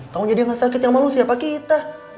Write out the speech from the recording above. tau jadi gak sakit sama lo siapa kita